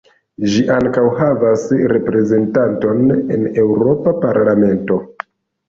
Ĝi ankaŭ havas reprezentanton en Eŭropa Parlamento.